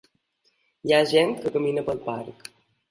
Hi ha gent que camina pel parc.